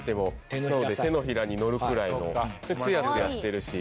手のひらに乗るくらいの。でつやつやしてるし。